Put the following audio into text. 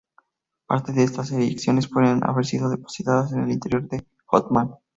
Parte de estas eyecciones pueden haber sido depositadas en el interior de Hohmann.